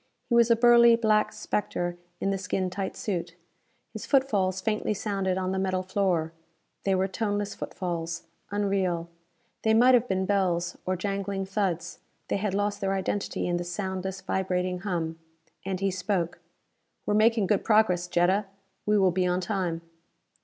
He was a burly black spectre in the skin tight suit. His footfalls faintly sounded on the metal floor. They were toneless footfalls. Unreal. They might have been bells, or jangling thuds; they had lost their identity in this soundless, vibrating hum. And he spoke, "We are making good progress, Jetta. We will be on time."